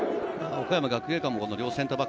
岡山学芸館も両センターバック